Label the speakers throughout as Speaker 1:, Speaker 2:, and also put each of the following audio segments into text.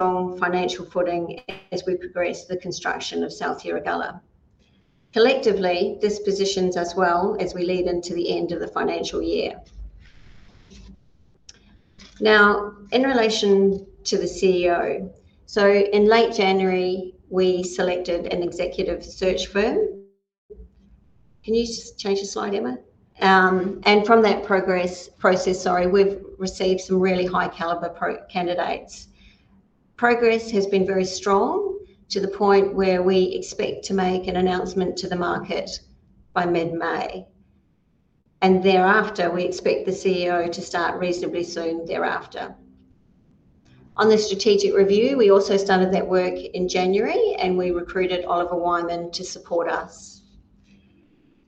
Speaker 1: On financial footing as we progress the construction of South Erregulla. Collectively, this positions us well as we lead into the end of the financial year. Now, in relation to the CEO, in late January, we selected an executive search firm. Can you just change the slide, Emma? From that process, we've received some really high-caliber candidates. Progress has been very strong to the point where we expect to make an announcement to the market by mid-May. Thereafter, we expect the CEO to start reasonably soon thereafter. On the strategic review, we also started that work in January, and we recruited Oliver Wyman to support us.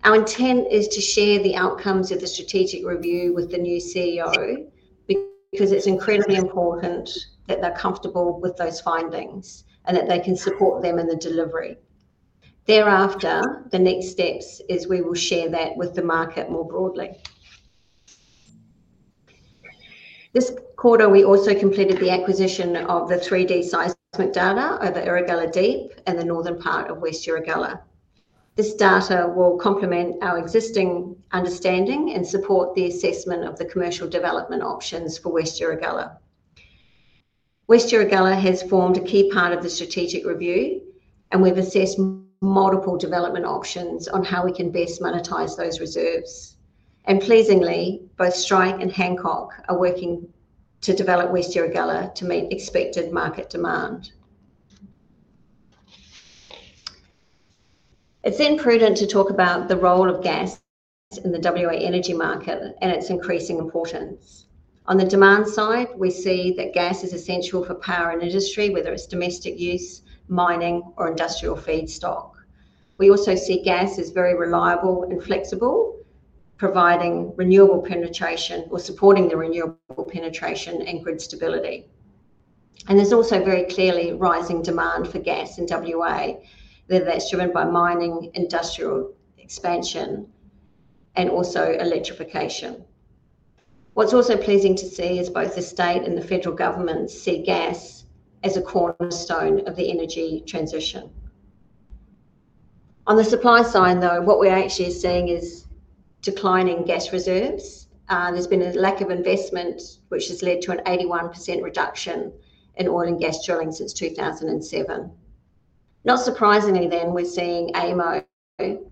Speaker 1: Our intent is to share the outcomes of the strategic review with the new CEO because it's incredibly important that they're comfortable with those findings and that they can support them in the delivery. Thereafter, the next steps is we will share that with the market more broadly. This quarter, we also completed the acquisition of the 3D seismic data of the Erregulla Deep and the northern part of West Erregulla. This data will complement our existing understanding and support the assessment of the commercial development options for West Erregulla. West Erregulla has formed a key part of the strategic review, and we've assessed multiple development options on how we can best monetize those reserves. Pleasingly, both Strike and Hancock are working to develop West Erregulla to meet expected market demand. It is then prudent to talk about the role of gas in the WA energy market and its increasing importance. On the demand side, we see that gas is essential for power and industry, whether it's domestic use, mining, or industrial feedstock. We also see gas is very reliable and flexible, providing renewable penetration or supporting the renewable penetration and grid stability. There is also very clearly rising demand for gas in WA, whether that's driven by mining, industrial expansion, and also electrification. What's also pleasing to see is both the state and the federal government see gas as a cornerstone of the energy transition. On the supply side, though, what we're actually seeing is declining gas reserves. There's been a lack of investment, which has led to an 81% reduction in oil and gas drilling since 2007. Not surprisingly then, we're seeing AEMO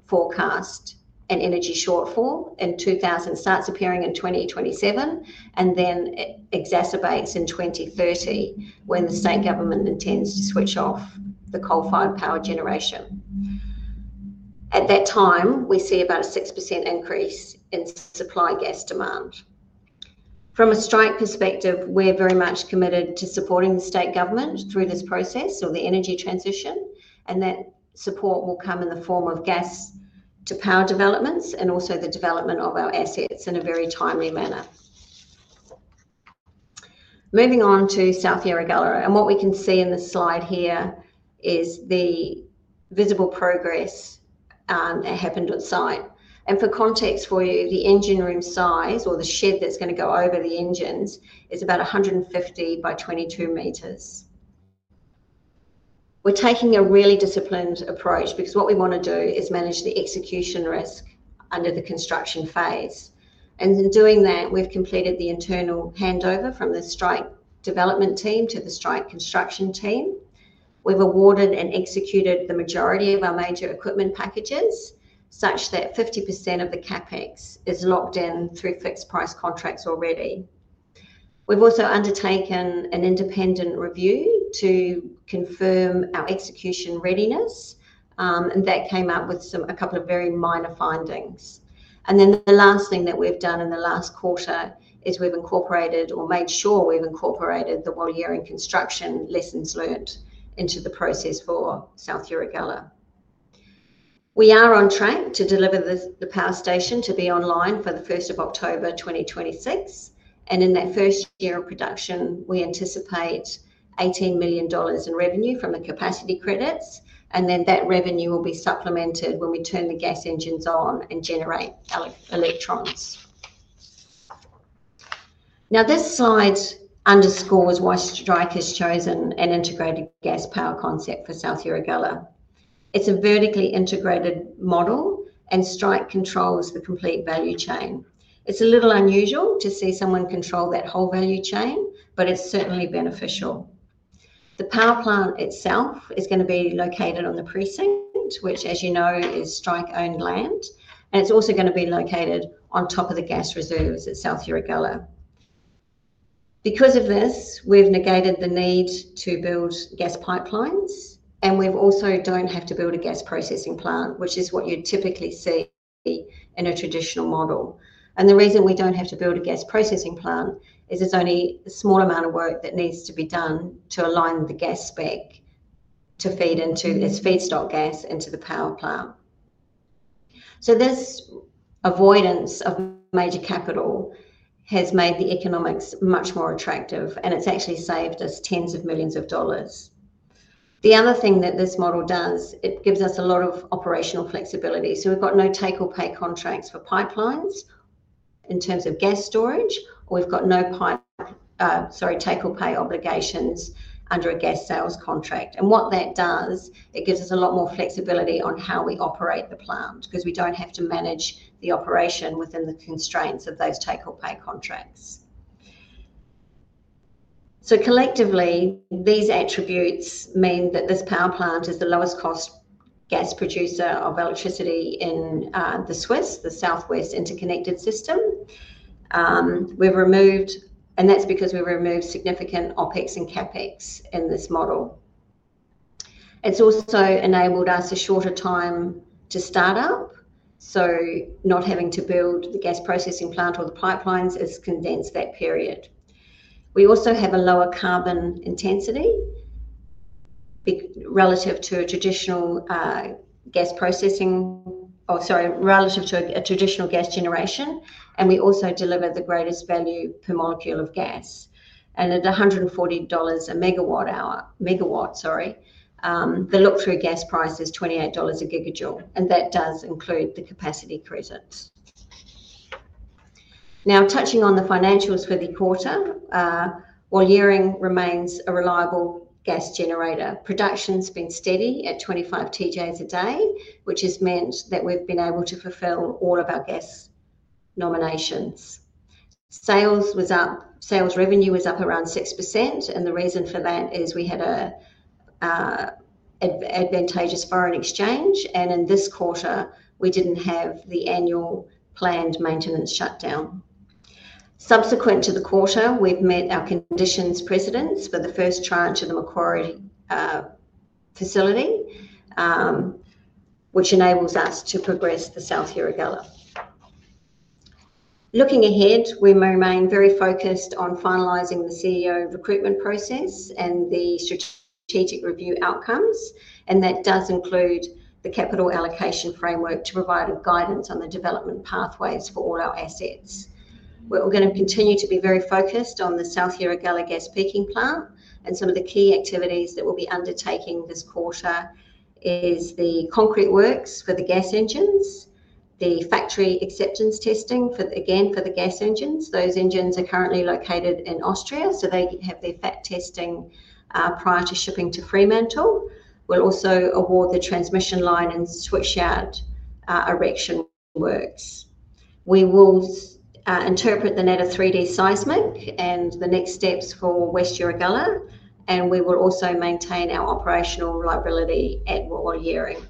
Speaker 1: forecast an energy shortfall in 2027, and then it exacerbates in 2030 when the state government intends to switch off the coal-fired power generation. At that time, we see about a 6% increase in supply gas demand. From a Strike perspective, we're very much committed to supporting the state government through this process or the energy transition, and that support will come in the form of gas-to-power developments and also the development of our assets in a very timely manner. Moving on to South Erregulla, and what we can see in the slide here is the visible progress that happened on site. For context for you, the engine room size or the shed that's going to go over the engines is about 150 by 22 meters. We're taking a really disciplined approach because what we want to do is manage the execution risk under the construction phase. In doing that, we've completed the internal handover from the Strike development team to the Strike construction team. We've awarded and executed the majority of our major equipment packages such that 50% of the CapEx is locked in through fixed-price contracts already. We've also undertaken an independent review to confirm our execution readiness, and that came up with a couple of very minor findings. The last thing that we've done in the last quarter is we've incorporated or made sure we've incorporated the Walyering construction lessons learned into the process for South Erregulla. We are on track to deliver the power station to be online for the 1st of October 2026. In that first year of production, we anticipate 18 million dollars in revenue from the capacity credits. That revenue will be supplemented when we turn the gas engines on and generate electrons. This slide underscores why Strike has chosen an integrated gas-to-power concept for South Erregulla. It's a vertically integrated model, and Strike controls the complete value chain. It's a little unusual to see someone control that whole value chain, but it's certainly beneficial. The power plant itself is going to be located on the Precinct, which, as you know, is Strike-owned land. It's also going to be located on top of the gas reserves at South Erregulla. Because of this, we've negated the need to build gas pipelines, and we also don't have to build a gas processing plant, which is what you'd typically see in a traditional model. The reason we don't have to build a gas processing plant is there's only a small amount of work that needs to be done to align the gas spec to feed into this feedstock gas into the power plant. This avoidance of major capital has made the economics much more attractive, and it's actually saved us tens of millions of dollars. The other thing that this model does, it gives us a lot of operational flexibility. We've got no take-or-pay contracts for pipelines in terms of gas storage, or we've got no take-or-pay obligations under a gas sales contract. What that does, it gives us a lot more flexibility on how we operate the plant because we don't have to manage the operation within the constraints of those take-or-pay contracts. Collectively, these attributes mean that this power plant is the lowest-cost gas producer of electricity in the SWIS, the South West Interconnected System. That's because we've removed significant OpEx and CapEx in this model. It's also enabled us a shorter time to start up, so not having to build the gas processing plant or the pipelines has condensed that period. We also have a lower carbon intensity relative to traditional gas generation, and we also deliver the greatest value per molecule of gas. At 140 dollars a megawatt hour, the look-through gas price is 28 dollars a gigajoule, and that does include the capacity credits. Now, touching on the financials for the quarter, Walyering remains a reliable gas generator. Production's been steady at 25 TJ a day, which has meant that we've been able to fulfill all of our gas nominations. Sales revenue was up around 6%, and the reason for that is we had an advantageous foreign exchange, and in this quarter, we didn't have the annual planned maintenance shutdown. Subsequent to the quarter, we've met our conditions precedent for the first tranche of the Macquarie facility, which enables us to progress the South Erregulla. Looking ahead, we remain very focused on finalizing the CEO recruitment process and the strategic review outcomes, and that does include the capital allocation framework to provide guidance on the development pathways for all our assets. We're going to continue to be very focused on the South Erregulla gas peaking plant, and some of the key activities that we'll be undertaking this quarter is the concrete works for the gas engines, the factory acceptance testing, again, for the gas engines. Those engines are currently located in Austria, so they have their factory acceptance testing prior to shipping to Fremantle. We'll also award the transmission line and switchyard erection works. We will interpret the Natta 3D seismic and the next steps for West Erregulla, and we will also maintain our operational reliability at Walyering.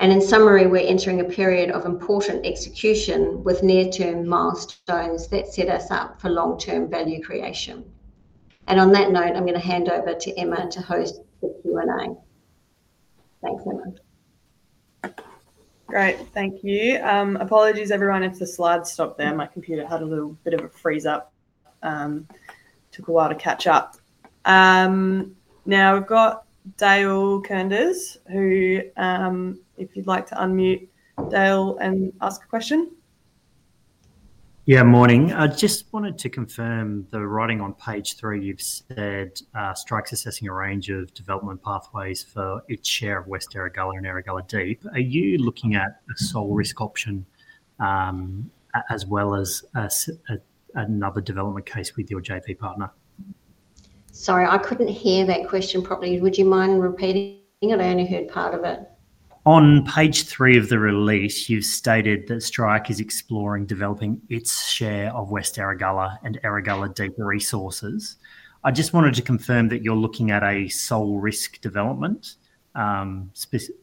Speaker 1: In summary, we're entering a period of important execution with near-term milestones that set us up for long-term value creation. On that note, I'm going to hand over to Emma to host the Q&A. Thanks, Emma.
Speaker 2: Great. Thank you. Apologies, everyone. It's a slide stop there. My computer had a little bit of a freeze-up. Took a while to catch up. Now, we've got Dale Koenders, who if you'd like to unmute Dale and ask a question.
Speaker 3: Yeah, morning. I just wanted to confirm the writing on page three. You've said Strike's assessing a range of development pathways for its share of West Erregulla and Erregulla Deep. Are you looking at a sole risk option as well as another development case with your JV partner?
Speaker 1: Sorry, I could not hear that question properly. Would you mind repeating it? I only heard part of it.
Speaker 3: On page three of the release, you've stated that Strike is exploring developing its share of West Erregulla and Erregulla Deep resources. I just wanted to confirm that you're looking at a sole risk development,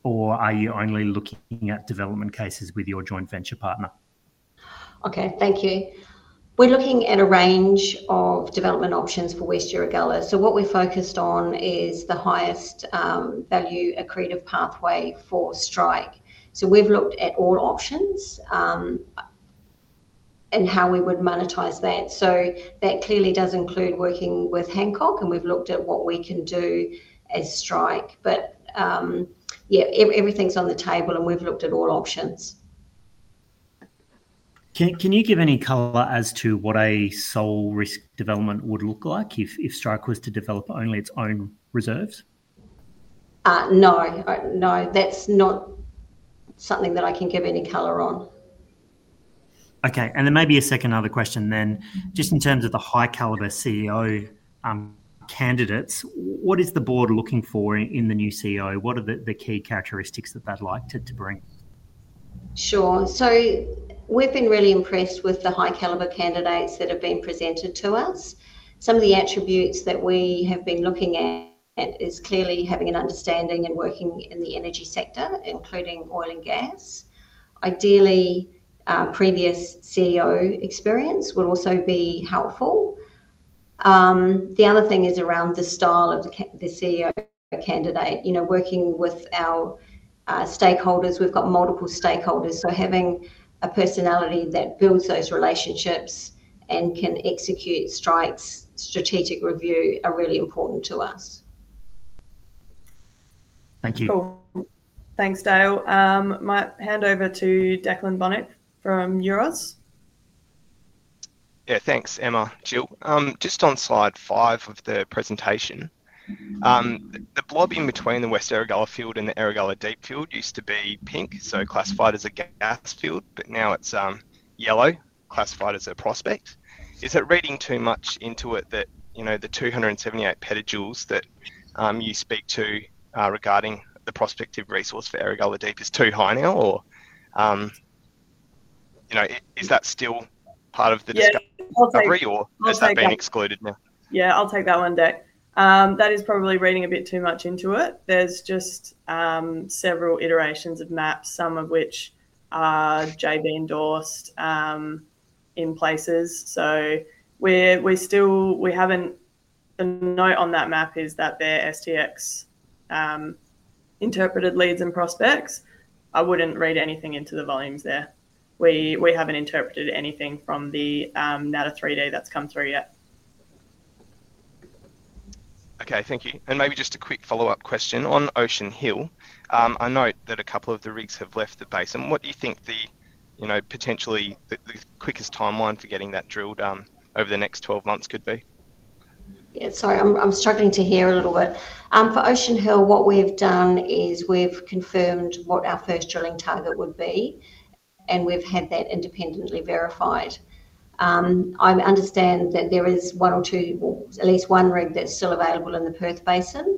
Speaker 3: or are you only looking at development cases with your joint venture partner?
Speaker 1: Okay. Thank you. We're looking at a range of development options for West Erregulla. What we're focused on is the highest value accretive pathway for Strike. We've looked at all options and how we would monetize that. That clearly does include working with Hancock, and we've looked at what we can do as Strike. Yeah, everything's on the table, and we've looked at all options.
Speaker 3: Can you give any color as to what a sole risk development would look like if Strike was to develop only its own reserves?
Speaker 1: No. No. That's not something that I can give any color on.
Speaker 3: Okay. There may be a second other question then. Just in terms of the high-caliber CEO candidates, what is the board looking for in the new CEO? What are the key characteristics that they'd like to bring?
Speaker 1: Sure. We have been really impressed with the high-caliber candidates that have been presented to us. Some of the attributes that we have been looking at is clearly having an understanding and working in the energy sector, including oil and gas. Ideally, previous CEO experience would also be helpful. The other thing is around the style of the CEO candidate. Working with our stakeholders, we have got multiple stakeholders. Having a personality that builds those relationships and can execute Strike's strategic review are really important to us.
Speaker 3: Thank you.
Speaker 2: Thanks, Dale. Might hand over to Declan Bonnet from Euroz.
Speaker 4: Yeah, thanks, Emma, Jill. Just on slide five of the presentation, the blob in between the West Erregulla field and the Erregulla Deep field used to be pink, so classified as a gas field, but now it's yellow, classified as a prospect. Is it reading too much into it that the 278 petajoules that you speak to regarding the prospective resource for Erregulla Deep is too high now, or is that still part of the discovery, or has that been excluded now?
Speaker 2: Yeah, I'll take that one, Dec. That is probably reading a bit too much into it. There's just several iterations of maps, some of which are JV endorsed in places. The note on that map is that they're STX interpreted leads and prospects. I wouldn't read anything into the volumes there. We haven't interpreted anything from the Natta 3D that's come through yet.
Speaker 4: Okay. Thank you. Maybe just a quick follow-up question. On Ocean Hill, I note that a couple of the rigs have left the basin. What do you think potentially the quickest timeline for getting that drilled over the next 12 months could be?
Speaker 1: Yeah, sorry. I'm struggling to hear a little bit. For Ocean Hill, what we've done is we've confirmed what our first drilling target would be, and we've had that independently verified. I understand that there is one or two, at least one rig that's still available in the Perth Basin,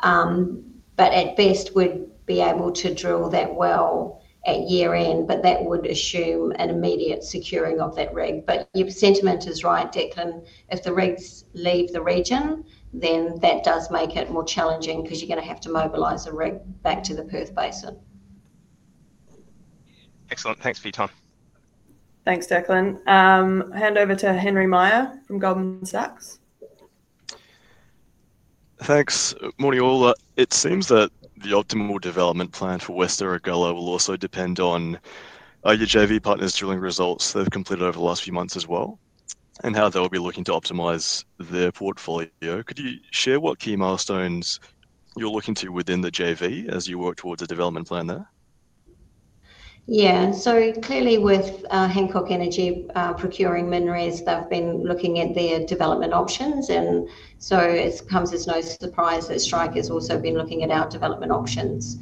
Speaker 1: but at best, we'd be able to drill that well at year-end, but that would assume an immediate securing of that rig. Your sentiment is right, Declan. If the rigs leave the region, then that does make it more challenging because you're going to have to mobilize a rig back to the Perth Basin.
Speaker 4: Excellent. Thanks for your time.
Speaker 2: Thanks, Declan. Hand over to Henry Meyer from Goldman Sachs.
Speaker 5: Thanks, morning all. It seems that the optimal development plan for West Erregulla will also depend on your JV partner's drilling results they've completed over the last few months as well, and how they'll be looking to optimize their portfolio. Could you share what key milestones you're looking to within the JV as you work towards a development plan there?
Speaker 1: Yeah. Clearly, with Hancock Energy procuring mineries, they've been looking at their development options. It comes as no surprise that Strike has also been looking at our development options.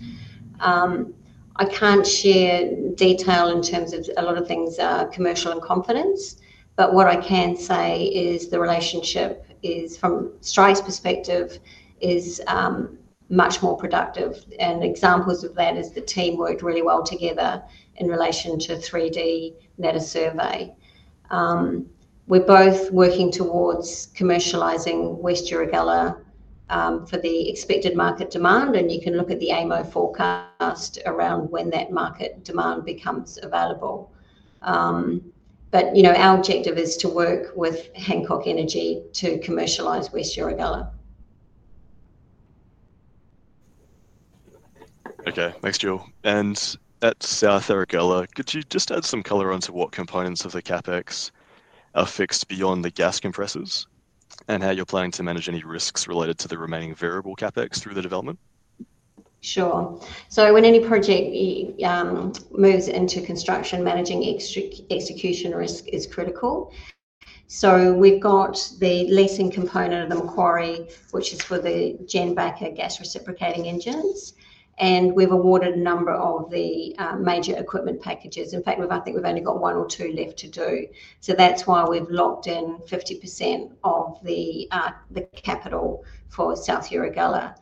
Speaker 1: I can't share detail in terms of a lot of things are commercial and confidence, but what I can say is the relationship is, from Strike's perspective, much more productive. Examples of that is the team worked really well together in relation to 3D seismic survey. We're both working towards commercializing West Erregulla for the expected market demand, and you can look at the AEMO forecast around when that market demand becomes available. Our objective is to work with Hancock Energy to commercialize West Erregulla.
Speaker 5: Okay. Thanks, Jill. At South Erregulla, could you just add some color onto what components of the CapEx are fixed beyond the gas compressors and how you're planning to manage any risks related to the remaining variable CapEx through the development?
Speaker 1: Sure. When any project moves into construction, managing execution risk is critical. We have the leasing component of Macquarie, which is for the Jenbacher gas reciprocating engines, and we have awarded a number of the major equipment packages. In fact, I think we have only one or two left to do. That is why we have locked in 50% of the capital for South Erregulla.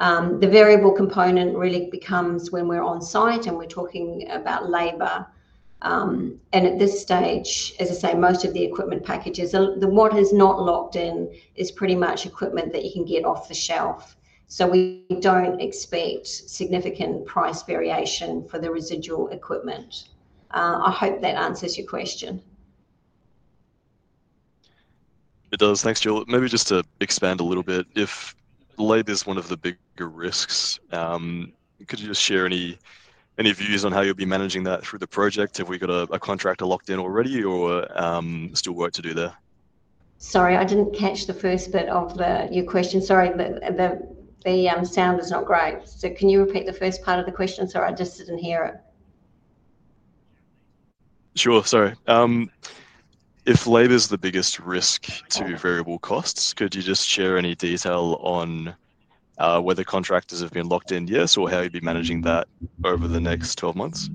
Speaker 1: The variable component really becomes when we are on site and we are talking about labor. At this stage, as I say, most of the equipment packages, what is not locked in is pretty much equipment that you can get off the shelf. We do not expect significant price variation for the residual equipment. I hope that answers your question.
Speaker 5: It does. Thanks, Jill. Maybe just to expand a little bit, if labor is one of the bigger risks, could you just share any views on how you'll be managing that through the project? Have we got a contractor locked in already, or still work to do there?
Speaker 1: Sorry, I didn't catch the first bit of your question. Sorry, the sound is not great. Can you repeat the first part of the question? Sorry, I just didn't hear it.
Speaker 5: Sure. Sorry. If labor is the biggest risk to variable costs, could you just share any detail on whether contractors have been locked in, yes, or how you'll be managing that over the next 12 months?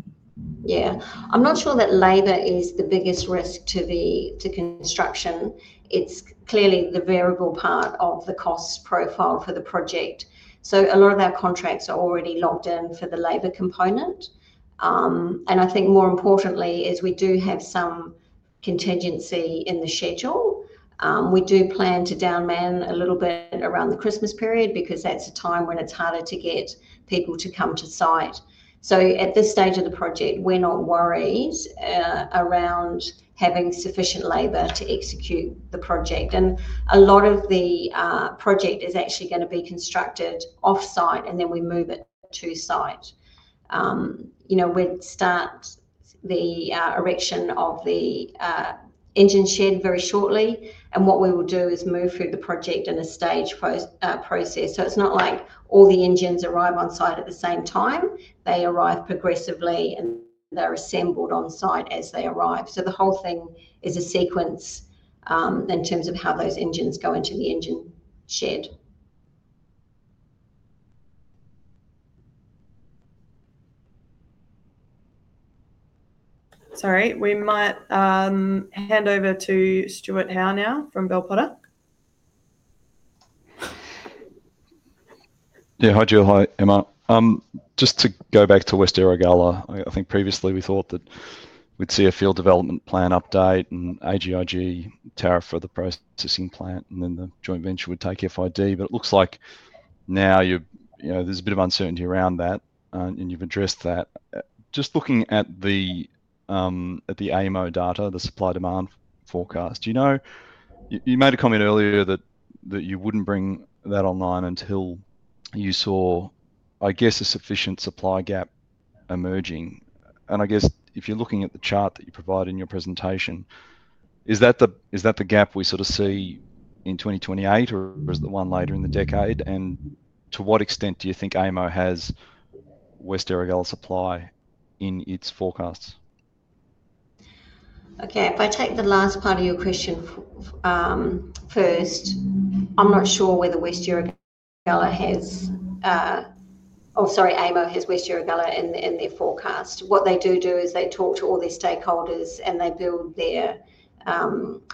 Speaker 1: Yeah. I'm not sure that labor is the biggest risk to construction. It's clearly the variable part of the cost profile for the project. A lot of our contracts are already locked in for the labor component. I think more importantly, as we do have some contingency in the schedule, we do plan to downman a little bit around the Christmas period because that's a time when it's harder to get people to come to site. At this stage of the project, we're not worried around having sufficient labor to execute the project. A lot of the project is actually going to be constructed off-site, and then we move it to site. We'd start the erection of the engine shed very shortly, and what we will do is move through the project in a staged process. It is not like all the engines arrive on site at the same time. They arrive progressively, and they are assembled on site as they arrive. The whole thing is a sequence in terms of how those engines go into the engine shed.
Speaker 2: Sorry. We might hand over to Stuart Howe now from Bell Potter.
Speaker 6: Yeah. Hi, Jill. Hi, Emma. Just to go back to West Erregulla, I think previously we thought that we'd see a field development plan update and AGIG tariff for the processing plant, and then the joint venture would take FID. It looks like now there's a bit of uncertainty around that, and you've addressed that. Just looking at the AEMO data, the supply-demand forecast, you made a comment earlier that you wouldn't bring that online until you saw, I guess, a sufficient supply gap emerging. I guess if you're looking at the chart that you provided in your presentation, is that the gap we sort of see in 2028, or is it the one later in the decade? To what extent do you think AEMO has West Erregulla supply in its forecasts?
Speaker 1: Okay. If I take the last part of your question first, I'm not sure whether West Erregulla has—oh, sorry, AEMO has West Erregulla in their forecast. What they do is they talk to all their stakeholders, and they build their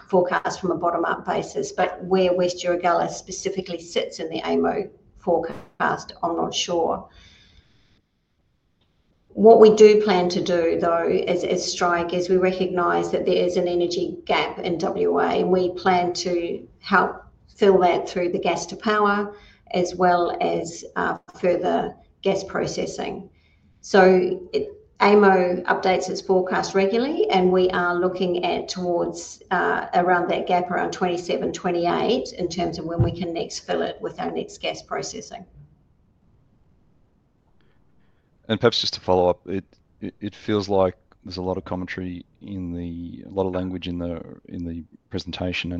Speaker 1: forecast from a bottom-up basis. Where West Erregulla specifically sits in the AEMO forecast, I'm not sure. What we do plan to do, though, as Strike, is we recognize that there is an energy gap in WA, and we plan to help fill that through the gas-to-power as well as further gas processing. AEMO updates its forecast regularly, and we are looking towards around that gap around 2027, 2028 in terms of when we can next fill it with our next gas processing.
Speaker 6: Perhaps just to follow up, it feels like there's a lot of commentary in the, a lot of language in the presentation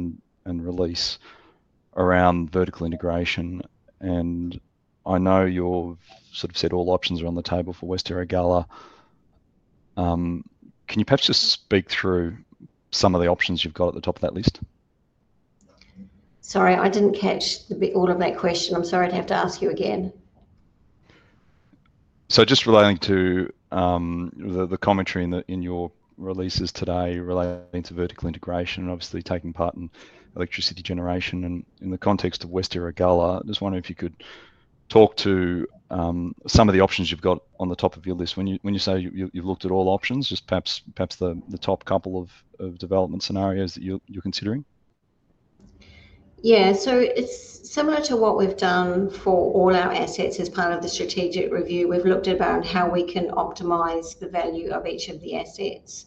Speaker 6: and release around vertical integration. I know you've sort of said all options are on the table for West Erregulla. Can you perhaps just speak through some of the options you've got at the top of that list?
Speaker 1: Sorry, I didn't catch all of that question. I'm sorry. I'd have to ask you again.
Speaker 6: Just relating to the commentary in your releases today relating to vertical integration, obviously taking part in electricity generation in the context of West Erregulla, I just wonder if you could talk to some of the options you've got on the top of your list. When you say you've looked at all options, just perhaps the top couple of development scenarios that you're considering.
Speaker 1: Yeah. It is similar to what we have done for all our assets as part of the strategic review. We have looked at how we can optimize the value of each of the assets.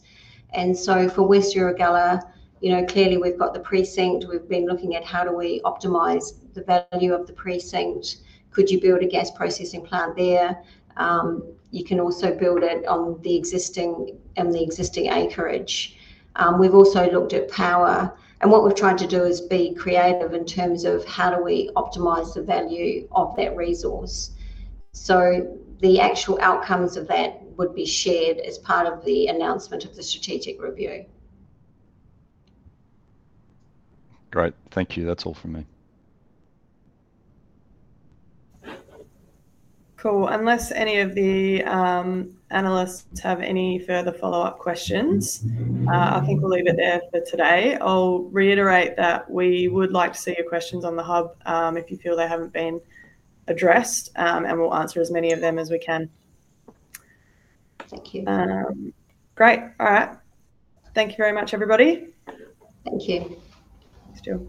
Speaker 1: For West Erregulla, clearly, we have the Precinct. We have been looking at how we optimize the value of the Precinct. Could you build a gas processing plant there? You can also build it on the existing acreage. We have also looked at power. What we have tried to do is be creative in terms of how we optimize the value of that resource. The actual outcomes of that would be shared as part of the announcement of the strategic review.
Speaker 6: Great. Thank you. That's all from me.
Speaker 2: Cool. Unless any of the analysts have any further follow-up questions, I think we'll leave it there for today. I'll reiterate that we would like to see your questions on the hub if you feel they haven't been addressed, and we'll answer as many of them as we can.
Speaker 1: Thank you.
Speaker 2: Great. All right. Thank you very much, everybody.
Speaker 1: Thank you.
Speaker 2: Thanks, Jill.